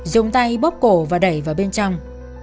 dùng tay bóp cổ và đẩy vào bên trong